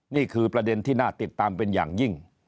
นี่คือประเด็นที่น่าติดตามเป็นอย่างยิ่ง